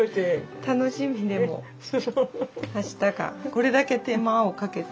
これだけ手間をかけた。